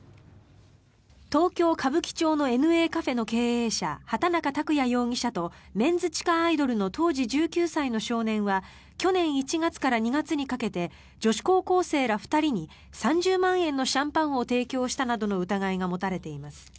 東京・歌舞伎町のＮＡカフェの経営者、畑中卓也容疑者とメンズ地下アイドルの当時１９歳の少年は去年１月から２月にかけて女子高校生ら２人に３０万円のシャンパンを提供したなどの疑いが持たれています。